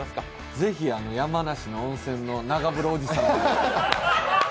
ぜひ山梨の温泉の長風呂おじさんを。